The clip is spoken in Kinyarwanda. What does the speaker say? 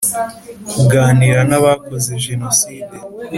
Kuganira n’ abakoze Jenoside